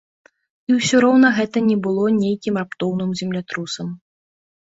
І ўсё роўна гэта не было нейкім раптоўным землятрусам.